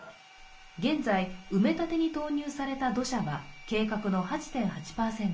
現在、埋め立てに投入された土砂は計画の８．８％。